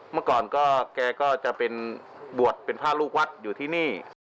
เมื่อก่อนก็แกก็จะเป็นบวชเป็นพระลูกวัดอยู่ที่นี่